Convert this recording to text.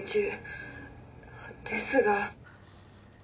ですが。